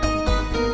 buat yang chest